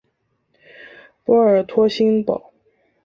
波尔托新堡。